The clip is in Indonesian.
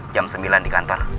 jam sembilan di kantor